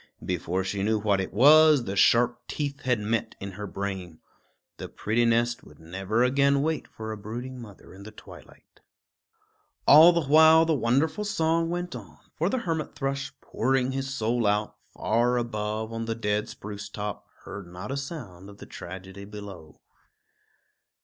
Before she knew what it was, the sharp teeth had met in her brain. The pretty nest would never again wait for a brooding mother in the twilight. All the while the wonderful song went on; for the hermit thrush, pouring his soul out, far above on the dead spruce top, heard not a sound of the tragedy below.